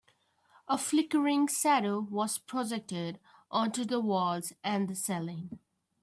A flickering shadow was projected onto the walls and the ceiling.